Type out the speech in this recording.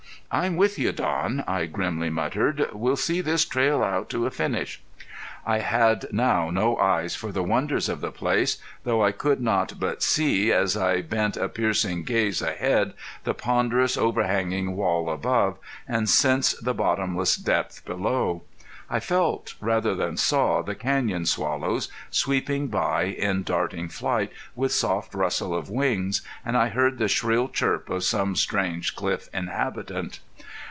"I'm with you Don!" I grimly muttered. "We'll see this trail out to a finish." I had now no eyes for the wonders of the place, though I could not but see as I bent a piercing gaze ahead the ponderous overhanging wall above, and sense the bottomless depth below. I felt rather than saw the canyon swallows, sweeping by in darting flight, with soft rustle of wings, and I heard the shrill chirp of some strange cliff inhabitant.